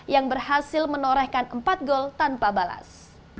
yang berhasil menorehkan empat gol tanpa balas